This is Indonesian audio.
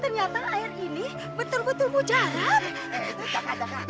ternyata air ini betul betul mujara